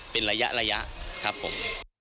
เป็นระยะครับผม